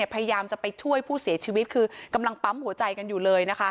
พยายามจะไปช่วยผู้เสียชีวิตคือกำลังปั๊มหัวใจกันอยู่เลยนะคะ